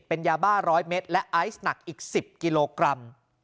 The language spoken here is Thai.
เป็นยาบ้า๑๐๐เมตรและไอซ์หนักอีก๑๐กิโลกรัม